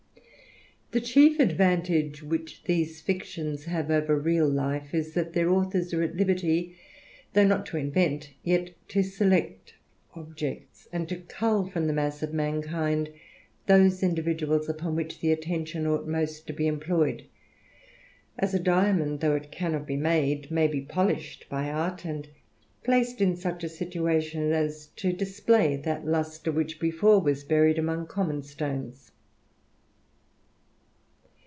The chief advantage which these fictions have over real life is, that their authors are at liberty, though not to invent, yet to select objects, and to cull from the mass of mankind, those individuals upon which the attention ought most to be employed : as a diamond, though it cannot be made, may be polished by art, and placed in such a situation, as to display that lustre which before was buried among conmiOD stones.